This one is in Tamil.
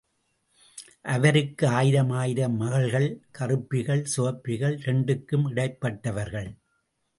அவருக்கு ஆயிரமாயிரம் மகள்கள்... கறுப்பிகள், சிவப்பிகள், இரண்டுக்கும் இடைப்பட்டவர்கள்...